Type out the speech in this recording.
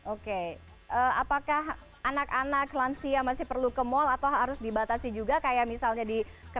oke apakah anak anak lansia masih perlu ke mal atau harus dibatasi juga kayak misalnya di kediaman